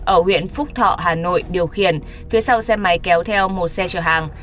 ở huyện phúc thọ hà nội điều khiển phía sau xe máy kéo theo một xe chở hàng